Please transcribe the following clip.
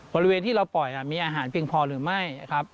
บริเวณที่เราปล่อยมีอาหารเพียงพอหรือไม่ครับ